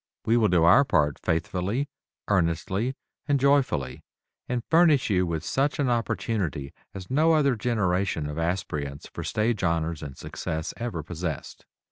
We will do our part faithfully, earnestly and joyfully, and furnish you such an opportunity as no other generation of aspirants for stage honors and success ever possessed.